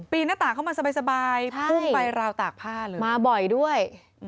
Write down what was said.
ปีนหน้าตาก็มันสบายผึ้งไปราวตากผ้ามาบ่อยด้วย